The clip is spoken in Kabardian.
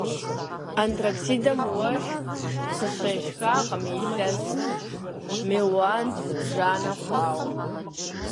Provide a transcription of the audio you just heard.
Антарктидэм уэшх къыщешхакъым илъэс мелуан зыбжанэ хъуауэ.